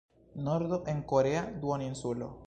Nordo en korea duoninsulo.